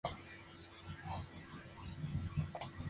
El ser necesario es aquel que explica la existencia de otro.